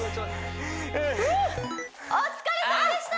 お疲れさまでした